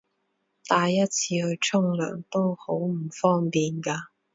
帶一次去沖涼都好唔方便㗎